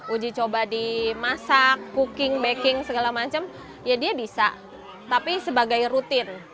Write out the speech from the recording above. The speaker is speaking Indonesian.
uji coba dimasak cooking baking segala macam ya dia bisa tapi sebagai rutin